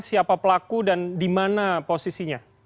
siapa pelaku dan di mana posisinya